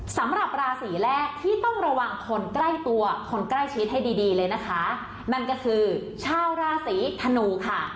สำหรับราศีแรกที่ต้องระวังคนใกล้ตัวคนใกล้ชิดให้ดีดีเลยนะคะนั่นก็คือชาวราศีธนูค่ะ